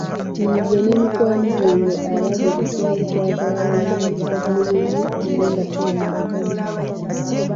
Nze ne mikwano gyange ababiri twali twagalana nnyo era nga tuyambagana.